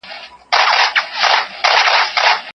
که استاد د املا په وخت کي مسکا وکړي.